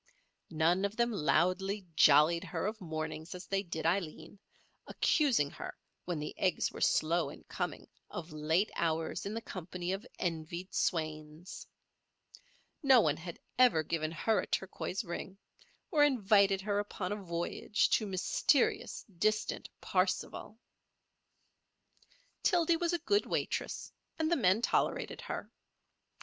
None of them loudly "jollied" her of mornings as they did Aileen, accusing her, when the eggs were slow in coming, of late hours in the company of envied swains. No one had ever given her a turquoise ring or invited her upon a voyage to mysterious, distant "Parsifal." Tildy was a good waitress, and the men tolerated her.